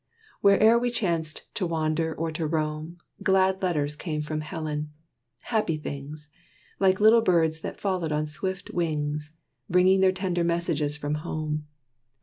Where'er we chanced to wander or to roam, Glad letters came from Helen; happy things, Like little birds that followed on swift wings, Bringing their tender messages from home.